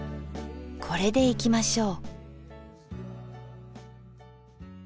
これでいきましょ。